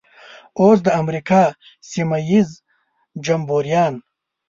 اوس د امریکا سیمه ییز جمبوریان.